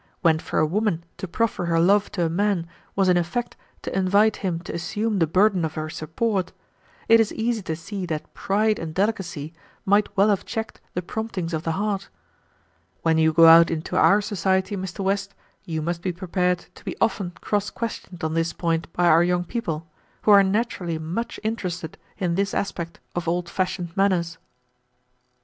When for a woman to proffer her love to a man was in effect to invite him to assume the burden of her support, it is easy to see that pride and delicacy might well have checked the promptings of the heart. When you go out into our society, Mr. West, you must be prepared to be often cross questioned on this point by our young people, who are naturally much interested in this aspect of old fashioned manners."